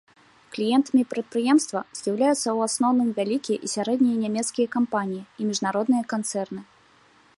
Кліентамі прадпрыемства з'яўляюцца ў асноўным вялікія і сярэднія нямецкія кампаніі і міжнародныя канцэрны.